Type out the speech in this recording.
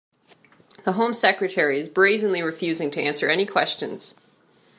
The Home Secretary is brazenly refusing to answer any questions